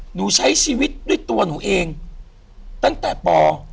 หนูใช้ชีวิตด้วยตัวหนูเองตั้งแต่ป๖